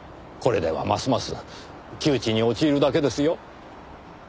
これではますます窮地に陥るだけですよ。